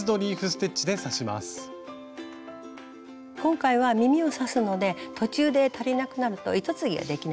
今回は耳を刺すので途中で足りなくなると糸継ぎができないんですね。